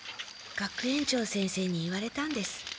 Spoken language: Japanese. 学園長先生に言われたんです。